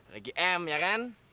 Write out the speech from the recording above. lagi m ya kan